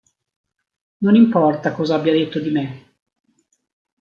Non importa cosa abbia detto di me"”.